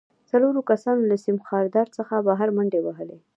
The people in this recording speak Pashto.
څلورو کسانو له سیم خاردار څخه بهر منډې وهلې